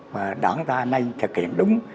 và đảng ta nay trải nghiệm đúng